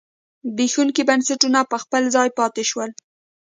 زبېښونکي بنسټونه په خپل ځای پاتې شول.